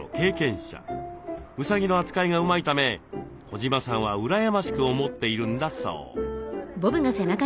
うさぎの扱いがうまいため児島さんは羨ましく思っているんだそう。